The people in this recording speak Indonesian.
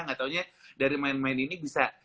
gak taunya dari main main ini bisa